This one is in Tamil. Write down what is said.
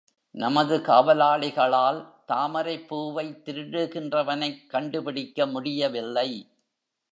நமது காவலாளிகளால் தாமரைப் பூவைத் திருடுகின்றவனைக் கண்டுபிடிக்க முடியவில்லை.